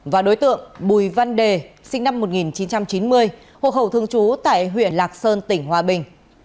và đối tượng bùi văn đề sinh năm một nghìn chín trăm chín mươi hộ khẩu thương chú tại huyện lạc sơn tỉnh hòa bình